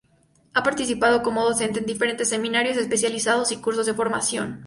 Ha participado como docente en diferentes seminarios especializados y cursos de formación.